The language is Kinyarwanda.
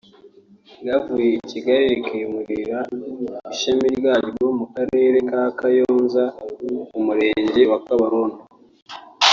ryavuye i Kigali rikimurira ishami ryaryo mu karere ka Kayonza mu murenge wa kabarondo